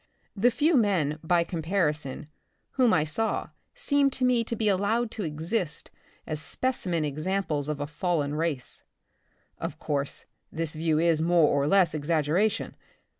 The few men — by comparison, whom I saw seemed to me to be allowed to exist as specimen ex amples of a fallen race. Of course, this view is more or less exaggeration.